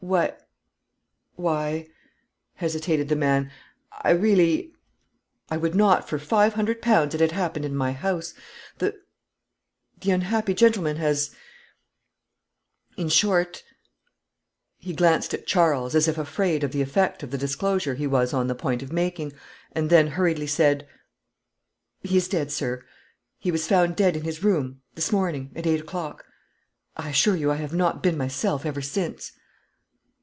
"Why why," hesitated the man, "I really I would not for five hundred pounds it had happened in my house. The the unhappy gentleman has, in short " He glanced at Charles, as if afraid of the effect of the disclosure he was on the point of making, and then hurriedly said "He is dead, sir; he was found dead in his room, this morning, at eight o'clock. I assure you I have not been myself ever since."